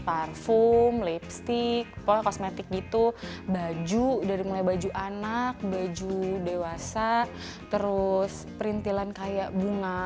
parfum lapstick kosmetik gitu baju dari mulai baju anak baju dewasa terus perintilan kayak bunga